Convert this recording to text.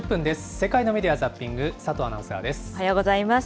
世界のメディア・ザッピング、佐藤アナウンサーです。